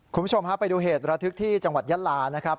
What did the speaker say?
คุณผู้ชมฮะไปดูเหตุระทึกที่จังหวัดยะลานะครับ